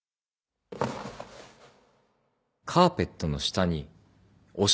カーペットの下に押し込んだ。